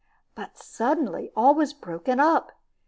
But suddenly all was broken up.